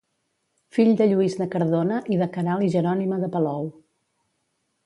Fill de Lluís de Cardona i de Queralt i Jerònima de Palou.